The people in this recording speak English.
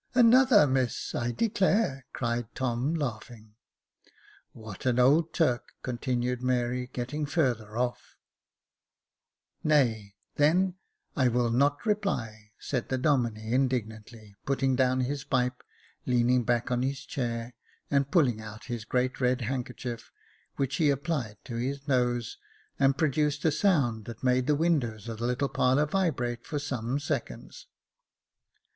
" Another miss, I declare," cried Tom, laughing. " What an old Turk !" continued Mary, getting further off. Jacob Faithful 237 " Nay, then, I will not reply," said the Domine, indignantly, putting down his pipe, leaning back on his chair, and pulling out his great red handkerchief, which he applied to his nose, and produced a sound that made the windows of the little parlour vibrate for some seconds.